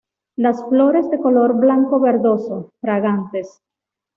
Las flores de color blanco verdoso, fragantes.